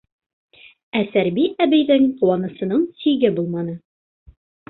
Ә Сәрби әбейҙең ҡыуанысының сиге булманы.